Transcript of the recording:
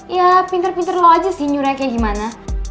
ya pintar pintar lo aja sih nyurahnya kayak gimana